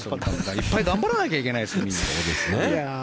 いっぱい頑張らないといけないですよ、みんな。